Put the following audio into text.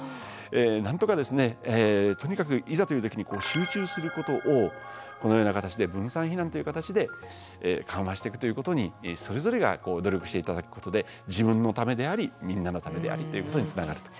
なんとかとにかくいざという時に集中することをこのような形で分散避難という形で緩和していくということにそれぞれが努力して頂くことで自分のためでありみんなのためでありということにつながると。